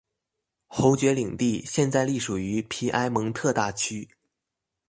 侯爵领地现在隶属于皮埃蒙特大区。